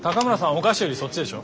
お菓子よりそっちでしょ。